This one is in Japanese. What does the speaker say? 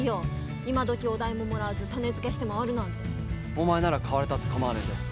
お前なら買われたって構わねえぜ。